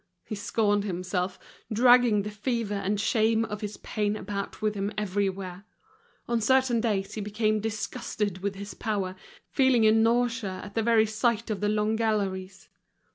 He scorned himself, dragging the fever and shame of his pain about with him everywhere. On certain days he became disgusted with his power, feeling a nausea at the very sight of the long galleries.